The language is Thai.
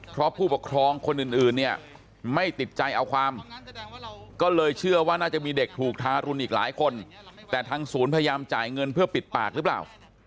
เพราะผู้ปกครองคนอื่นเนี่ยไม่ติดใจเอาความก็เลยเชื่อว่าน่าจะมีเด็กถูกทารุณอีกหลายคนแต่ทางศูนย์พยายามจ่ายเงินเพื่อปิดปากหรือเปล่า